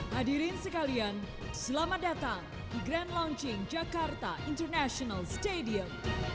hadirin sekalian selamat datang di grand launching jakarta international stadium